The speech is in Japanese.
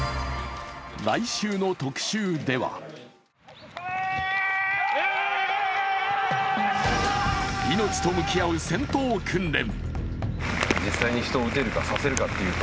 来週の「特集」では命と向き合う戦闘訓練。